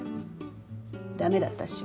ダメだったっしょ？